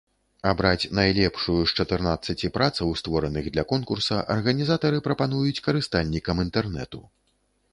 Абраць найлепшую з чатырнаццаці працаў, створаных для конкурса, арганізатары прапануюць карыстальнікам інтэрнэту.